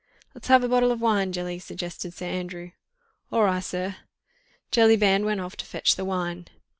"Let's have a bottle of wine, Jelly," suggested Sir Andrew. "All ri', sir!" Jellyband went off to fetch the wine.